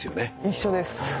一緒です。